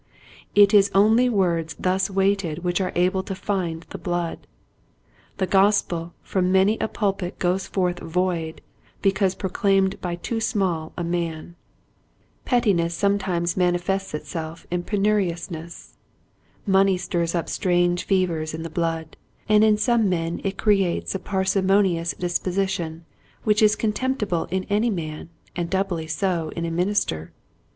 It is only words thus weighted which are able to find the blood. The Gospel from many a pulpit goes forth void because proclaimed by too small a man. Pettiness sometimes manifests itself in penuriousness. Money stirs up strange fevers in the blood and in some men it creates a parsimonious disposition which is contemptible in any man and doubly so in a minister.